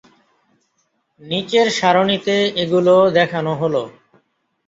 নিচের সারণিতে এগুলি দেখানো হল।